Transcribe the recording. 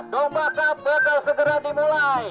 domba cup bakal segera dimulai